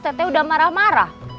tete udah marah marah